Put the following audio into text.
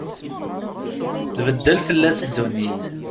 Tbeddel fell-as ddunit.